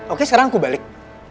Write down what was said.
oke sekarang aku balik